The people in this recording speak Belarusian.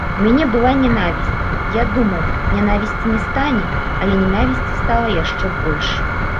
У мяне была нянавісць, я думаў, нянавісці не стане, але нянавісці стала яшчэ больш.